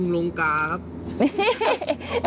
ลุงกาครับ